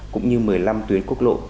cũng như một mươi năm tuyến quốc lộ